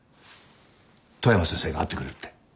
富山先生が会ってくれるって。